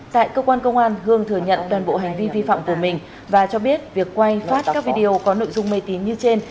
tại cơ quan công an hương thừa nhận toàn bộ hành vi vi phạm của mình và cho biết việc quay phát các video có nội dung mê tín như trên